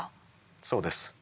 そうです。